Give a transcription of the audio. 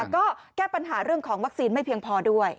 ก็แก้ปัญหาเรื่องของวัคซีนไม่เพียงพอด้วย